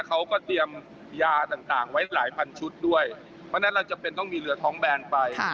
เขาก็เตรียมยาต่างไว้หลายพันชุดด้วยเพราะฉะนั้นเราจำเป็นต้องมีเรือท้องแบนไป